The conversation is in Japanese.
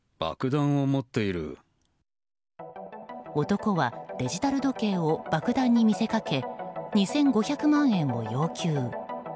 男はデジタル時計を爆弾に見せかけ２５００万円を要求。